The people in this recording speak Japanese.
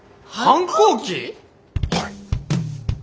はい。